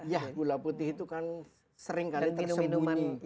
ya gula putih itu kan sering kali tersembunyi